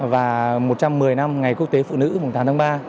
và một trăm một mươi năm ngày quốc tế phụ nữ tám tháng ba